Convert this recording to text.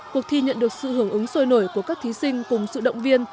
cuộc thi nhận được sự hưởng ứng sôi nổi của các thí sinh cùng sự động viên